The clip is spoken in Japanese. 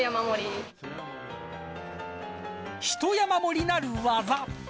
ひと山盛り、なる技。